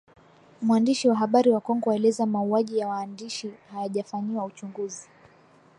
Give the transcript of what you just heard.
Mwandishi wa habari wa Kongo aeleza mauaji ya waandishi hayajafanyiwa uchunguzi